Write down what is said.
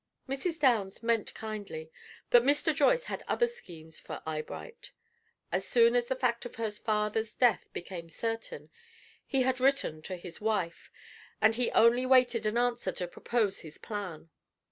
Mrs. Downs meant kindly, but Mr. Joyce had other schemes for Eyebright. As soon as the fact of her father's death became certain, he had written to his wife, and he only waited an answer to propose his plan.